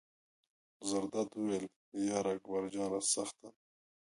زرداد وویل: یار اکبر جانه سخته ده.